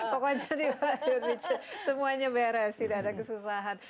pokoknya semuanya beres tidak ada kesusahan